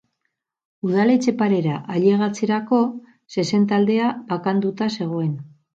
Udaletxe parera ailegatzerako zezen taldea bakanduta zegoen.